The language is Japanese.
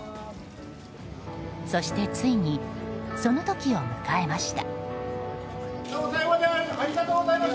そしてついにその時を迎えました。